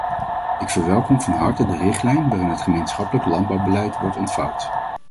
Ik verwelkom van harte de richtlijn waarin het gemeenschappelijk landbouwbeleid wordt ontvouwd.